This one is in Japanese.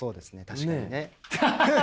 確かにね。